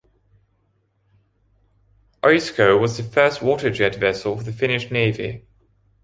Uisko was the first water jet vessel of the Finnish Navy.